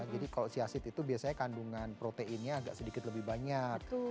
jadi kalau chia seed itu biasanya kandungan proteinnya agak sedikit lebih banyak